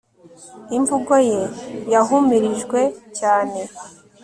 Imvugo ye yahumurijwe cyane